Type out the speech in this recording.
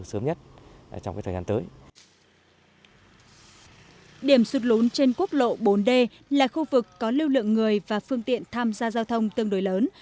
điểm sụt lún trên quốc lộ bốn d là khu vực có lưu lượng người và phương tiện tham gia giao thông tương đối lớn